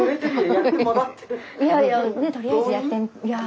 いやいやねえとりあえずやってみ。